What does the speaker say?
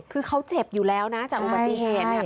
คือเขาเจ็บอยู่แล้วนะจากอุบัติเหตุเนี่ย